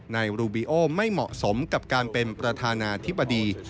นายรูบิโอไม่เหมาะสมกับการเป็นประธานาธิบดี